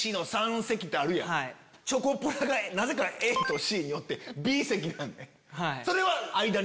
チョコプラがなぜかＡとＣにおってＢ席やねん。